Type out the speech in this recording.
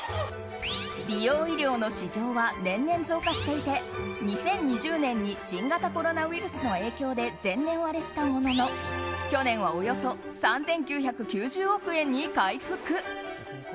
美容医療の市場は年々増加していて２０２０年に新型コロナウイルスの影響で前年割れしたものの去年はおよそ３９９０億円に回復。